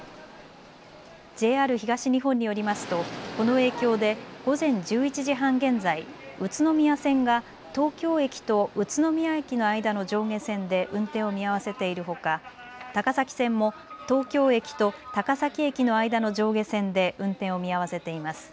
ＪＲ東日本によりますとこの影響で午前１１時半現在、宇都宮線が東京駅と宇都宮駅の間の上下線で運転を見合わせているほか高崎線も東京駅と高崎駅の間の上下線で運転を見合わせています。